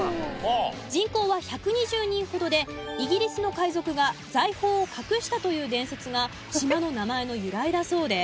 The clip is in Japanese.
人口は１２０人ほどでイギリスの海賊が財宝を隠したという伝説が島の名前の由来だそうです。